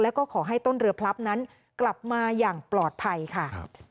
แล้วก็ขอให้ต้นเรือพลับนั้นกลับมาอย่างปลอดภัยค่ะ